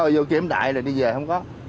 vô kiểm đại rồi đi về không có